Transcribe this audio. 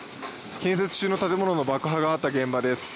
建設中の建物の爆破があった現場です。